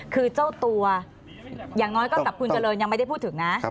คือเจ้าตัวอย่างน้อยก็กับคุณเจริญยังไม่ได้พูดถึงนะ